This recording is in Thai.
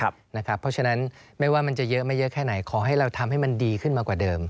เพราะฉะนั้นไม่ว่ามันจะเยอะไม่เยอะแค่ไหนขอให้เราทำให้มันดีขึ้นมากว่าเดิม